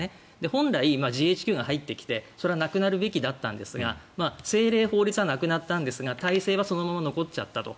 本来、ＧＨＱが入ってきてそれはなくなるべきだったんですが政令、法律はなくなったんですが体制はそのまま残ったと。